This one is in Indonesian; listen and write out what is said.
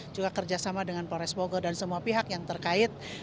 juga kerjasama dengan polres bogor dan semua pihak yang terkait